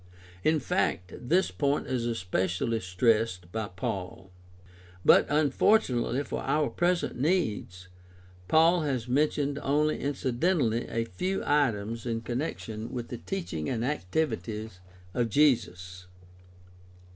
In fact, this point is especially stressed by Paul (e.g., Phil. 2:5 ff.). But, unfortunately for our present needs, Paul has mentioned only incidentally a few items in connection with the teaching and activity of Jesus.